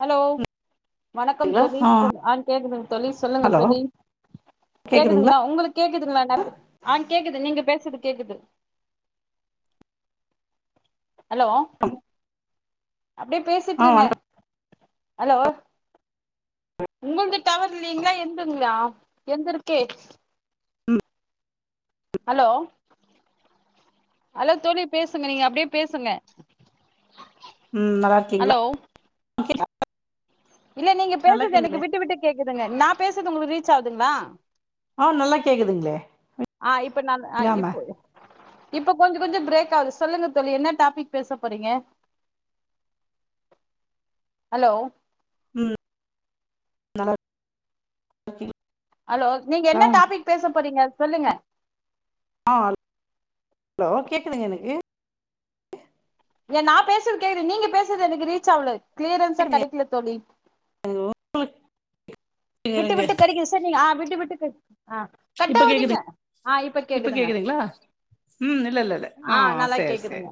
Hello வணக்கம் ங்களா தோழி ஆ ஆன் கேக்குதுங்க தோழி சொல்லுங்க ஹலோ தோழி கேக்குதுங்களா உங்களுக்கு கேக்குதுங்களா நா ஆஹ் கேக்குது நீங்க பேசுது கேக்குது ஹலோ அப்டியே பேசிட்டு ஆ இருங்க வணக்கம் ஹலோ உங்களுக்கு டவர் இல்லைங்களா எந்த ங்களா எந்தருக்கே உம் ஹலோ அலோ தோழி பேசுங்க நீங்க அப்டியே பேசுங்க உம் நல்லா இருக்கீங்ளா ஹலோ இல்ல நீங்க பேசுது எனக்கு விட்டு விட்டு கேக்குது ங்க நா பேசுறது உங்களுக்கு ரீச் ஆகுதுங்களா ஆஹ் நல்லா கேக்குதுங்ளே ஆஹ் இப்ப நா ஹ் ஆ இப்போ இப்ப கொஞ்ச கொஞ்ச பிரேக் ஆகுது சொல்லுங்க தோழி என்ன டாபிக் பேச போறீங்க ஹலோ உம் நல்லா இருக் ஹலோ நீங்க என்ன டாபிக் பேச போறீங்க சொல்லுங்க ஆஹ் ஹலோ கேக்குதுங்க எனக்கு ஏன் நா பேசுறது கேக்குது நீங்க பேசுறது எனக்கு ரீச் ஆவ்ல க்ளியரன்ஸா கேக்குதுங்க கெடக்கல தோழி உங்களுக்கு விட்டு இருங்க விட்டு கெடக்து சார் நீங்க ஆ விட்டு விட்டு ஆஹ் இப்ப கட்டாவதிங்க கேக்குதுங்க ஆஹ் இப்ப கேக்குதுங்க ம் இல்ல இல்ல இல்ல ஆ ஆஹ் நல்லா சேரி சேரி கேக்குதுங்க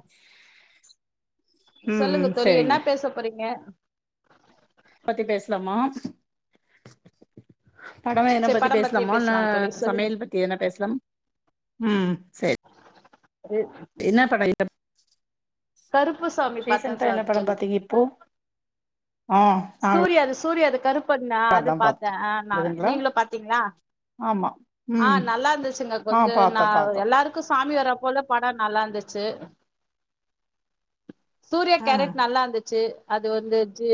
ம் சொல்லுங்க ம் தோழி என்னா சேரிங்க பேச போறீங்க பத்தி பேசலாமா படம் என்ன சரி பத்தி படம் பத்தியே பேசலாமா இல்ல பேசலா தோழி சொல்லுங்க சமையல் பத்தி என்ன பேசலா உம் செரி [unintelligible] என்ன படம் கருப்பு சாமி பாத்தே ரீசென்டா சார் என்ன பட பாத்தீங்க இப்போ ஆ நாங்களா சூரியாது சூரியாது பண்ண அது அதா பாத்தே பாத்தோ அதுங்களா நீங்களும் பாத்தீங்களா ஆமா ஆ ம் நல்லா இருந்துச்சுங்க ஆ கொஞ்சம் பாத்தோ பாத்தோ எல்லாருக்கும் சாமி வர போல பட நல்லாருந்துச்சு சூர்யா கேரக்ட் நல்லாருந்துச்சு அது வந்துச்சு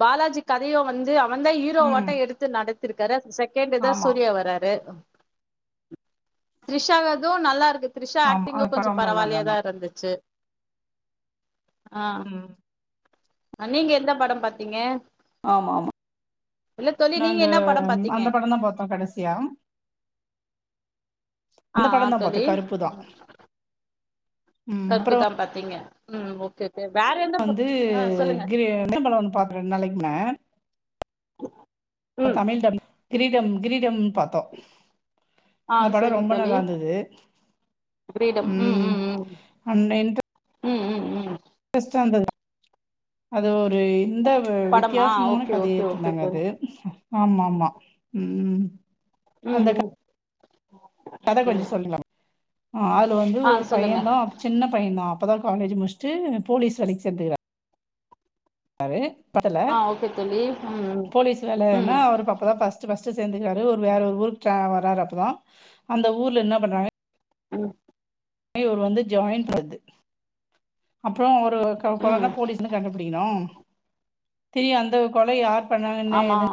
பாலாஜி கதையு வந்து அவ் வந்த ம் ஹீரோவாட்ட எடுத்து நடத் இருக்கரு செகண்டு் தா ஆமா சூர்யா வராரு த்ரிஷாகது நல்லாருக்கு த்ரிஷா ஆமா அது ஆக்டிங்கு கொஞ்ச படம் நல்லாதாமா பரவால்லயாதா இருந்துச்சு ஆஹ் ம் அ நீங்க எந்த படம் பாத்தீங்க ஆமா ஆமா இல்ல தோழி நீங்க நாங்க என்ன படம் பாத்தீங்க அந்த படந்தா பாத்தோ கடைசியா ஆ அந்த ஆ படந்தா பாத்தோ தோழி கருப்புதா ம் அப்புறோ கருப்புதா பாத்தீங்க ம் ஓகே ஓகே வேற எந்த ப வந்து ஆ சொல்லுங்க கி [unintelligible] நாளைக்கு ன ம் தமிழ் தம் கிரீடம் கிரீடம் பாத்தோ ஆ அந்த பட சரிங்க ரொம்ப தோழி நல்லாந்தது கிரீடம் ம் உம் ம் அம் எனக்கு ம் உம் உம் பர்ஸ்ட்டு வந்தது அது ஒ ஒரு இந்த வ் படமா வித்தியாசமான ஓகே கதைய ஓகே ஓகே எத்துருந்தாங்க தோழி அது ஆமா ஆமா உம் உம் உம் உம் கத கொஞ்ச சொல்லுங்க ஆ அதுல வந்து ஆ ஒரு சொல்லுங்க பையந்தா சின்ன பையந்தா அ அப்பதா காலேஜ் முடிச்சுட்டு போலீஸ் வேலக்கு சேந்துருவா அவரு பத்தல ஆ ஓகே தோழி ம் ம் போலீஸ் வேலன்னா ம் அவருக்கு அப்பதா பஸ்ட்டு பஸ்ட் சேர்ந்து இருக்காரு வேற ஒரு ஊருக்கு வராரு அப்பறோ அந்த ஊர்ல என்னா பண்றாங்க உம் யோ வந்து ஜாய்ன் பணுது அப்புறோ ஒ ரு ம் கொழந்த போலீஸ்ன்னு கண்டுபிடிக்கணு தெரியு அந்த கொலை யார் பண்ணாங்கன்னு ஆமா எது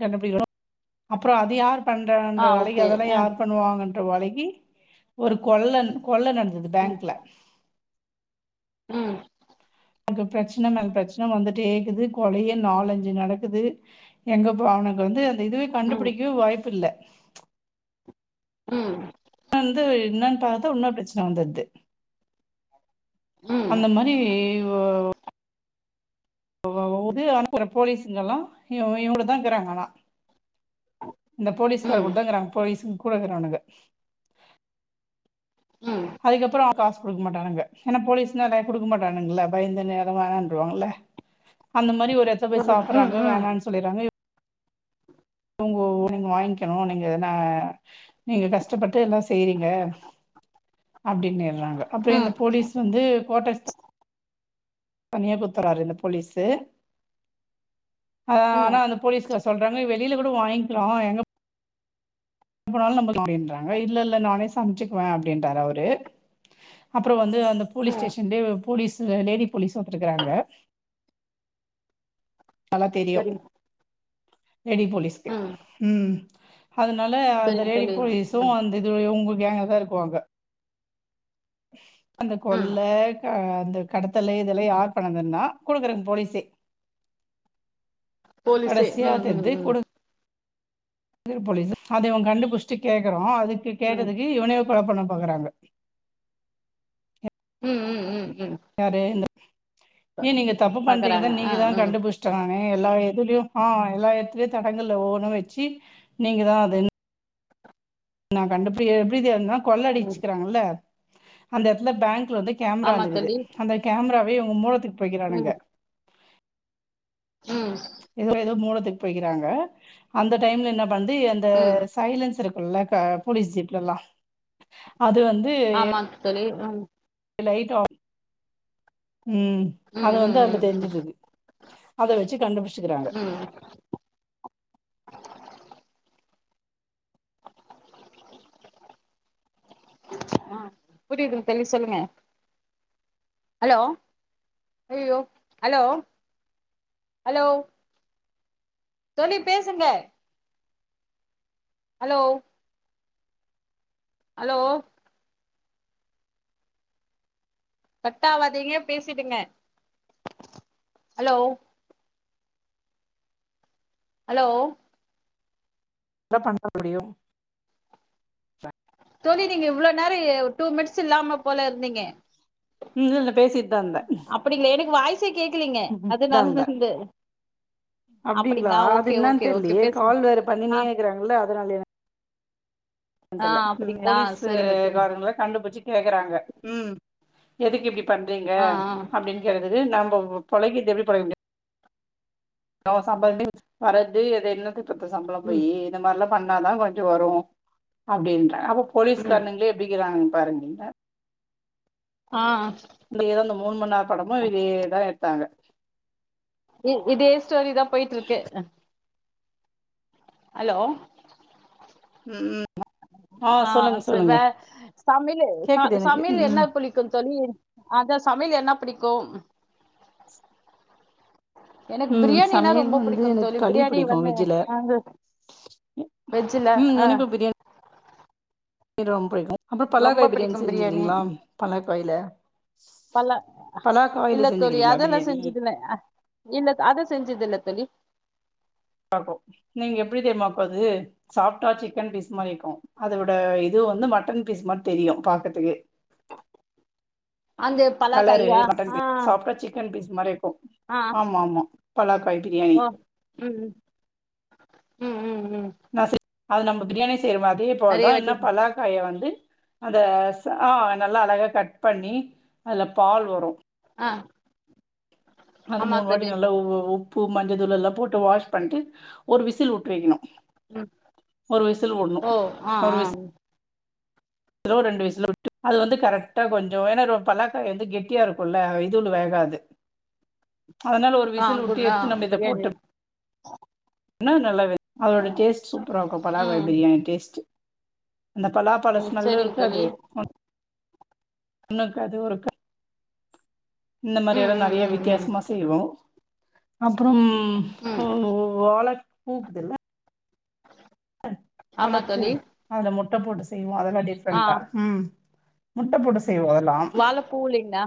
கண்டுபிடிக்கிறோம் அப்றோ அது யார் ஆ பண்றாங்க வலை ஓகே அதெல்லா ஆ யார் பண்ணுவாங்க [unintelligible] வழங்கி ஒரு கொள்ளன் கொள்ள நடந்தது பேங்க்ல உம் எனக்கு பிரச்சன மேல பிரச்சன வந்துட்டே இக்குது கொலையே நாலஞ்சு நடக்குது எங்க போ அவனுக்கு வந்து இதுவே ம் கண்டுபிடிக்கவு வாய்ப்பு இல்ல உம் இத வந்து என்னன்னு பாத்தா இன்னொரு பிரச்சன வந்துறுது ம் அந்த மாரி ஓ வவ வுது அனுப்புறே போலீஸுங்கல்லா இவு இவுங்கலதா இக்கறாங்கலா இந்த போலீஸ்கார ம் கூடத்தா இக்கறாங்க போலீஸ் கூட இக்கறானுங்க ம் அதுக்கு அப்பறோ காஸ் குடுக்க மாட்டானுங்க ஏனா போலீஸ்னா [unintelligible] குடுக்க மாட்டானுங்கல பயந்துட்டு எதும் வேணான்றுவாங்கல்ல அந்த மாரி ஒரு எச்ச போய் சொல்லு ம் சாப்பற்றாங்க ம் வோனானு சொல்லிறாங்க இவுங்கோ இவுங்க வாங்க்கணும் நீங்க எதனா நீங்க கஷ்டப்பட்டு எல்லா செய்றீங்க அப்டின்னிற்றாங்க அப்புறம் இந்த ம் போலீஸ் வந்து கோட்டர்ஸ் தனியா குத்தற்றாரு இந்த போலீஸு ஆ ம் ஆனா அந்த போலீஸ்கார் சொல்றாங்க வெளில கூட வாங்க்கலா எங்க எப்பனாலும் நம அப்டின்றாங்க இல்ல இல்ல நானே சமைச்சுக்குவேன் அப்டின்றாரு அவரு அப்புறம் வந்து அந்த போலீஸ் ம் ஸ்டேஷன்லயே போலீஸ் லேடி போலீஸ் [unintelligible] நல்லா தெரியு சரிங்க லேடி போலீஸ்க்கு ம் உம் அதுனால அந்த சரிங்க லேடி தோழி போலீஸும் ம் அந்த இது இவுங்க கேங்காதா இருக்குவாங்க அந்த ம் கொள்ள ஆ அந்த கடத்தலு இதெல்லாம் யார் பண்ணங்கன்னா கூட இக்குறங்க போலீஸே போலீஸே கடைசியா உம் உம் தெரிது உம் கூடக்குற [unintelligible] போலீஸ் அத இவன் கண்டுபிடிச்சுட்டு கேக்குறோ அதுக் கு ம் கேட்டதுக்கு இவனே கொல பண்ண பாக்குறாங்க ம் ம் ம் ம் வேற என்ன ஏன் நீங்க தப்பு பண்ணுறீங்கதா பாக்குறாங்க ஆ நீங்க தான் ம் கண்டுபிடிச்டோ நாங் எல்லா இதுலயும் ஆ எல்லா இடத்துலயும் தடங்கள்ல ஒவ்வொன்னு வச்சு நீங்க தா அது நா கண்டபிடி எப்படி தெரியும்னா கொள்ள ம் அடிச்சுக்கிறாங்கல்ல அந்த இடத்துல பேங்க் வந்து கேமரா ஆமா இருந்துக்குது தோழி அந்த கேமரா அப்படியே உங்க முலத்துக்கு போய்க்கிறானுங்க ம் ம் இவங்க ஏதோ முடதுக்கு போய்க்கிறாங்க அந்த டைம்ல என்ன வந்து அந்த ம் சைலன்ஸ் இருக்கு இல்ல ஆ போலீஸ் ஜீப்ல எல்லா அது வந்து ஆமா தோழி ம் லைட் ஆப் உம் ம் அது வந்து ம் அதுல ம் ம் தெரிசுறுது அதவச்சு கண்டுபிடிச்சக்கிறாங்க ம் ஆ புரியுதுங் தோழி சொல்லுங்க ஹலோ அய்யயோ ஹலோ ஹலோ தோழி பேசுங்க ஹலோ ஹலோ கட்டா ஆவாதேங்க பேசிடுங்க ஹலோ ஹலோ என்ன பண்ண முடியும் தோழி நீங்க இவ்வள நேரம் டூ மினிட்ஸ் இல்லாம போல இருந்தீங்க ம் இல்லல்ல பேசி அப்டிங்களா எனக்கு வாய்ஸ் தா இருந்த அப்டிங்ளா அப்டிங்களா அது ஓகே என்னன்னு ஓகே ஓகே தெரியலேயே பேசுங்க கால் வேற ஆ பண்ணினே இருக்கிறாங்கள அதனால ஆ தெர்ல ம் அப்டிங்களா சரிங்க தோழி போலீஸுகாரங்க கண்டு புடிச்சு கேக்குறாங்க ம் எதுக்கு இப்டி பண்றீங்க ஆ ஆ அப்டினு கேட்டதுக்கு நம் ப பொழைகிறது எப்டி பொழைக்க முடியு ஓ சம்பளனே வச்சுக்கோ வரது அத என்னத்த இப்ப இந்த சம்பள ம் போயி இந்த மாரிலா பண்ணாதா கொஞ்சோ வரு அப்டின்றாங்க அப்ப போலீஸ்காரங்களே எப்டிக்கிறாங்க பாருங்க இல்ல ஆ இந்த ஏதோ இந்த மூணு மண்நேர படமு இதையேதா எடுத்தாங்க உம் இதே ஸ்டோரி தா போய்ட்ருக்கு அலோ உம் உம் ஆஹ் ச வே சமய்லு கேக்குது ச எனக்கு சமய்லு ம் என்ன புளிக்கு சொல்லி அத சாப் சமய்ல் என்ன பிடிக்கும் எனக்கு ம் பிரியாணினா சமையல் ரொம்ப வந்து பிடிக்கும் எனக்கு தோழி களி பிரியாணி பிடிக்கு வந்து வெஜ்ஜுல நான் வெஜ் வெஜ்ஜூல ஆஹ் ணி ரொம் புடிக்கு ரொம்ப புடிக்கு பிரியாணி பலாக்காய்ல பலா பலாக்காய்ல இல்ல தோழி செஞ்சுக்கிறீங்களா அதுல பிரியாணி செஞ்சதில்ல அஹ் இல்ல அத செஞ்சதில்ல தோழி பாப்போ இன்னைக்கு எப்டி தெரியுமா அப்ப அது சாப்டா சிக்கன் பீஸ் மாரி இருக்கு அதோட இதே வந்து மட்டன் பீஸ் மாரி தெரியு பாக்கற்துக்கு அந்த பலாக்கையா ஆஹ் சாஃப்டா சிக்கன் பீஸ் மாரி ஆமா ஆமா பலாக் ஓ உம் உம் உம் நா செ அது நம்ப பிரியாணிஸ் திரும்ப அதே போலதா என்ன பலாக்காய வந்து அத ச ஆஹ் நல்லா அழகா கட் பண்ணி அதுல பால் வரு ஆஹ் அது மூணு வாட்டி நல்லா உ உ உ உப்பு மஞ்சதூளு எல்லா போட்டு வாஷ் பண்ட்டு ஒரு விசில் விட்டு வைக்ணு ம் ஒரு விசுலு வுட்ணு ஓ ஆ ஒரு ஆ விஸ் லோ ரெண்டு விசுலு விட்டு அது வந்து கரெக்டா வெந்தோன ஒரு பலாக்காய் வந்து கெட்டியா இருக்குல்ல ஆஹ் இதுலு வேகாது அதனால ஒரு ஆ விசில் குட் விட்டு ஆ எட்த்து நம்ம இத பிரியாணி போட்டம் என்னா நல்லாவே அதோட டேஸ்ட் சூப்பரா இருக்கு பலாகாய் ம் பிரியாணி டேஸ்ட்டு அந்த பலாபழ ம் ஸ்மெல்லு செரிங்க தோழி இருக்காது உனக்கு அது ஒரு க இந்த ம் மாரியெல்லா ம் நெறைய ம் ம் வித்தியாசமா செய்வோ ஆம் புரிலயே ம் உம் உம் வேலக் போகுதுல அ ஆமா வாழப்பூ தோழி அதுல முட் ட போட்டு செய் ஒ அதல்லா டிஃப்ரெண்டா ம் முட்ட போட்ட வாழப்பூலிங்களா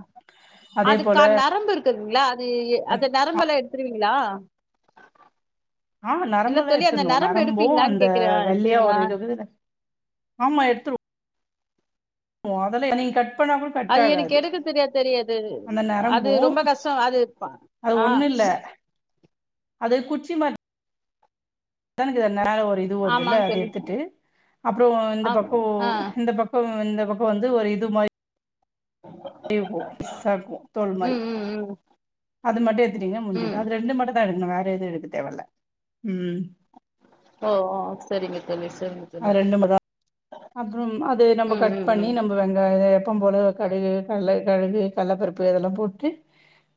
அதே அதுக் போல கா நரம்புருக் இருக்குங்களா அத நரம்பெல்லா எடுத்துருவீங் லா ஆ நரம்பல்லா எடுத்தர்ணு நரம்பு எடுப்பீங்களான்னு அந்த கேக்குறே வெள்ளியா ஒரு எடுத்துருவீங்களா இது ஆமா எடுத்துடு ஓ அதல்ல என்னைய கட் கூட கட் அது எனக்கு ஆகாது. எடுக்க தெரியா தோழி அந்த அது நரம்பும் ரொம்ப கஷ்டோ அது அது ஆ ஒண்ணும் இல்ல. அது குச்சி மா தனக் தன் மேல ஒரு இது வருதுல்ல ஆமாங்க அது தோழி எடுத்துட்டு அப்றோ இந்த ஆம் பக்கோ ஆ இந்த பக்கோ இந்த பக்கோ வந்து ஒரு இது மாரி அப்படியே இருக்கு பிஸ்சாருக்கு தோல் மாரி ம் ம் ம் அது மட்டு எடுத்டீங்க முடிஞ்சுது ம் அது ரெண்டு மட்டு தா எடுக்னு வேற வேற எது எடுக்க தேவயில்ல உம் ஓ ஓ சரிங்க தோழி சரிங்க தோழி அது ரெண்டு மட் தா அப்புறம் அது நம்ம ம் கட் ம் பண்ணி ம் நம்ம வெங்காய எப்போபோல கடுகு கள்ள கடுகு கள்ளப்பருப்பு இதெல்லா போட்டு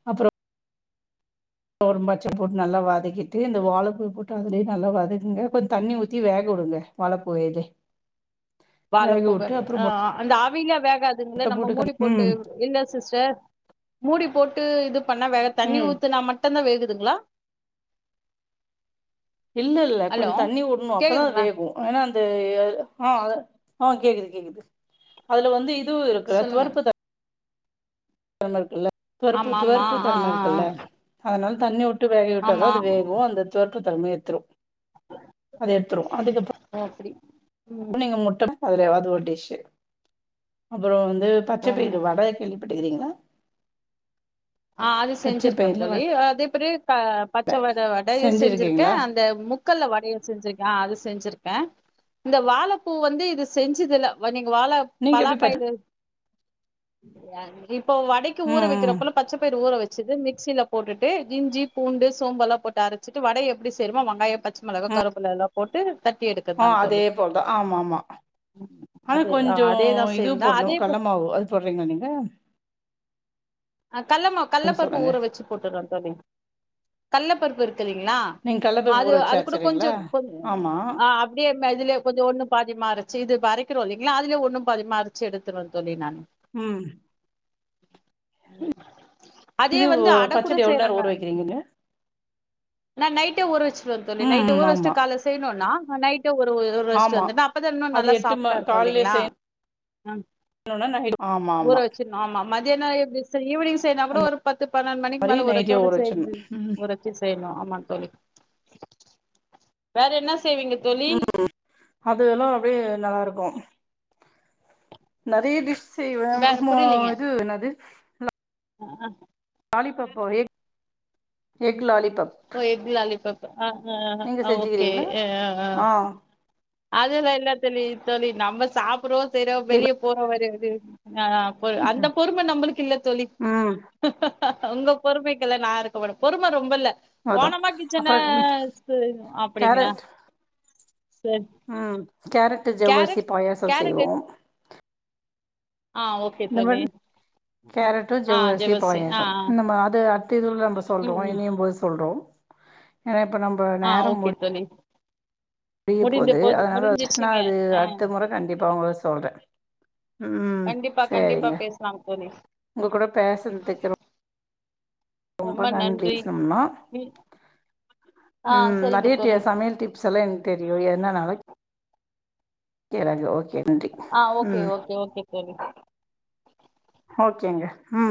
அப்பறோ தோரம் பச்ச போட்டு நல்ல வதக்கி டி அந்த வாழப்பு போட் அதுலயே நல்லா வதங்க கொஞ்சோ தண்ணி ஊத்தி வேக உடுங்க வாழப்பூ இது வாழப்பூவ ஆ அந்த ஆ விங்க வ வேகாதுங்கள முட்ட நம்ம கறி மூடி போட்டு ம் இல்ல சிஸ்டர் மூடி போட்டு இது பண்ண வேக தண்ணி ம் ஊத்துனா மட்டும்தான வேகுது ங்களா இல்ல இல்ல கொஞ்சோ தண்ணி உட்ணு அப்பதான கேக்குதுங்களா வேகும் ஏன்னா அந்த ஆ ஆ கேக்குது கேக்குது அதுல வந்து இதுவு இருக்கு சொல்லுங்க துவரப்பு தன் [unintelligible] பருப்பு ஆமா ஆமா துவரப்பு ஆ தன்ம ஆ இருக்குல்ல ஆ அதனால தண்யுட் வேக விட்டா ஆமா அது வேகு அந்த த தன்ம எத்து அத எடுத்துரு அதுக்கப்ப ஓ அப்படி ம் நீங்க முட்டு அதுல அது ஒரு டிஷ் அப்புற வந் அ ம் பச்சப்பயிறு வட கேள்விப்பட்டுக்கிறீங்க ஆஹ அது பச்சை செஞ்சிருக்கே பயிர்ல தோழி வட அது பிரு பச்ச வட வடயு செஞ்சிருக்க செஞ்சிருக்கீங்களா அந்த மு குக்கர வடய செஞ்சிருக்கே அது செஞ்சிருக்க இந்த வாழப்பூ வந்து இது செஞ்சதுல வணி வாழ நீங்க எப்டி பச்ச பலாக்காயல இப்போ வடைக்கு ஊற ம் வைக்கிற ம் போல ஊற வச்சுடு மிக்சியில போட்டடு இஞ்சி பூண்டு சோம்புல்லா போட்டு அரைச்சிட்டு வடை எப்படி சேுமோ வெங்காய பச்ச மிளகா கருப்புல எல்லா போட்டு தட்டி எடுக்கதா ஆஹஅதே தோழி போலதாஆமா ஆமா ஆனா அதே ஆ கொஞ்ச அதேதா இது சேம் தா போடணும அதே ப கள்ள மாவு அது போடுறீங்க நீங்க கல்லமவ் ம் கள்ளப்பருப்பு சொல்லுங்க ஊற வச்சு போட்டுறோ தோழி கள்ளப்பருப்பு இருக் இருறீங்களா நீங்க கல்லப்பருப்பு ஊற அது வச்சு அது கூட அரச்சிறீங்களா கொஞ்ச கொஞ்ச ஆமா அப்படியே இதுல கொஞ்சஒண்ணு பதிமாறிச்சு இது மரைக்கிறோ இல்லைங்களா அதுலே ஒன்னும் பதிமாறிச்சு எடுத்துடுவேன்னு சொல்லி நானு உம் உம் இது பச்சடி எவ்ளோர ஊற வைக்கிறீங்க ஆ நைட்ட உரவச்சி வ நைட்டு ம் ஊர வாச்ட்டு ஆமா கால செய் நானுனா நைட் ஒரு ரெஸ்ட் ஆமா வந்அப்பதா இன்னு அது நல்லா எட்டு ம சாஃப்டா இருக்கு கால்லே இல்லீங்களா ஹம் செய்யணும்னா நைட் ஆமா ஊற ஆமா வச்சிர ஆமா மதியியான எப்படி சார் ஈவினிங செய் ந கூட அந்த ஒரு பத் பதினெண்டுமணிக்கு மாரி மேல உரச்சு நைட்டே கூட ஊற செய் வச்சிடணு ம் உரவச்சி செய்யணு ஆமா தோழி வேற என்ன செய்வீங்க தோழி உம் அது எல்லா அப்படியே நல்லா இருக்கு நிறய டிஷ் செய்வ வேற மோ புரியலீங்க இது என்னாது [unintelligible] ஆ ஆ. லாலி பப் எக் லாலி ஓ எக்லாலி பப் நீங்க அஹ் ஓகே செஞ்சுக்கிறீங்களா எ அஹ் ஆ அதுலா என்னா தெர்லியே தோழி நம்ம சாப்புடுவோ சேரோ எக் வெளிய போரா வரு தெ ஆஹ் போலு அந்த பொறும நம்பளுக்கு இல்ல தோழி ம் உங்க பொறுமைக்கெல்லா நா இருக்க மாட் பொறும ரொம்பல்ல அதா போனமா கிச்சன அப்றோ ச அப்படிங்ளா கேரட் ம் கேரட்டு ஜவ்வரிசி கேரட் பாயாசம் கேரட் எடு செய்வோம் ஆ ஓகே இந்த தோழி மன் கேரட்டு ஆ ஜவ்வருசி ஜெபஸ்ரீ ஆ பாயசம் ஆ நம்ம அது அத்து இதுல நம்ம சொல்றோ ம் ம் இனியும் போது சொல்றோ அ ப்ப நம்ப ஆ நேரம் ஓகே முடி தோழி பிய முடிந்து போது அதனால நா முடிஞ்சிச்சுங்க அது ஆ அடுத்த மொற கண்டிப்பா உங்களுக் சொல்றே ம் கண்டிப்பா கண்டிப்பா சேரிங்க பேசலாம் தோழி உங்க கூட பேசன்துக்கு ரொ ரொம்ப நன்றி சும்மா ஆ ம் சரிங்க நறிய டிய தோழி சமயல் டிப்ஸ் எல்லா எனக் தெ [unintelligible] [unintelligible] ஆஹ் ஓகே ம் ஓகே ஓகே தோழி ஓகேங்க ம்